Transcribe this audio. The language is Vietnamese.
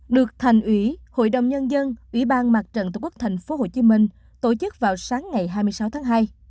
được thành ủy hội đồng nhân dân ủy ban mặt trận tổ quốc thành phố hồ chí minh tổ chức vào sáng ngày hai mươi sáu tháng hai